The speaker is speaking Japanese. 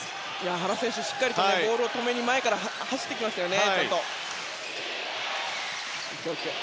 原選手、ボールを止めに前から走ってきましたね。